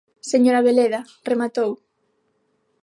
Señor Abeleda, rematou.